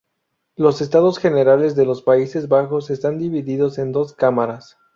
Los Estados Generales de los Países Bajos estaban divididos en dos cámaras.